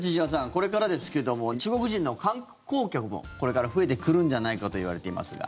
これからですけれども中国人の観光客も、これから増えてくるんじゃないかといわれていますが。